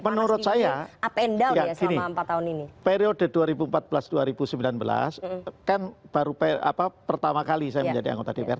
menurut saya gini periode dua ribu empat belas dua ribu sembilan belas kan baru pertama kali saya menjadi anggota dpr